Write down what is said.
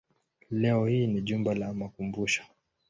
Leo hii ni jumba la makumbusho.